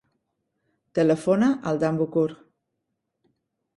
Telefona al Dan Bucur.